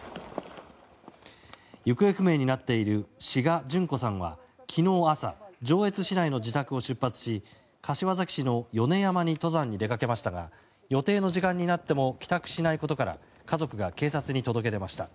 行方不明になっている志賀淳子さんは昨日朝、上越市内の自宅を出発し柏崎市の米山に登山に出かけましたが予定の時間になっても帰宅しないことから家族が警察に届け出ました。